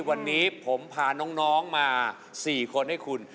วันนี้ผมพาน้องมา๔คนให้คุณ